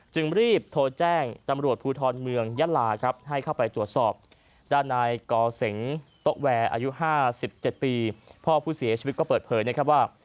จึงรีบโทรแจ้งตำรวจภูทรเมืองยะลาครับให้เข้าไปตรวจสอบด้านนายกอเสงโต๊ะแวร์อายุ๕๗ปีพ่อผู้เสียชีวิตก็เปิดเผยนะครับว่า